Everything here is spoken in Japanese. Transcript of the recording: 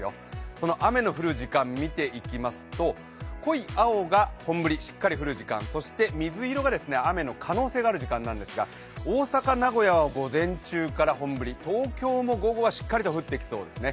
その雨の降る時間、見ていきますと、濃い青が本降り、しっかり降る時間そして水色が雨の可能性がある時間なんですが大阪、名古屋は午前中から本降り、東京も午後は、しっかりと降ってきそうですね。